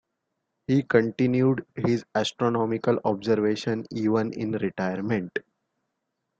He continued his astronomical observations even in retirement.